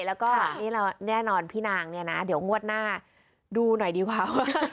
แล้วก็นี่เราแน่นอนพี่นางเนี่ยนะเดี๋ยวงวดหน้าดูหน่อยดีกว่า